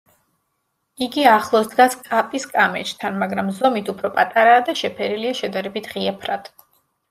იგი ახლოს დგას კაპის კამეჩთან, მაგრამ ზომით უფრო პატარაა და შეფერილია შედარებით ღია ფრად.